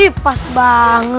ih pas banget